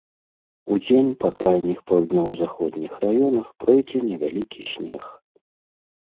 Удзень па крайніх паўднёва-заходніх раёнах пройдзе невялікі снег.